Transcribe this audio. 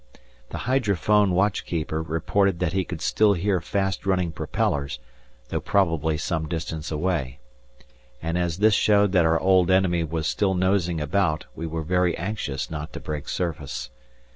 The hydrophone watchkeeper reported that he could still hear fast running propellers, though probably some distance away, and as this showed that our old enemy was still nosing about we were very anxious not to break surface.